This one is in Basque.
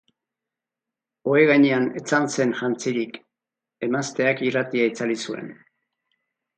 Ohe gainean etzan zen jantzirik, emazteak irratia itzali zuen.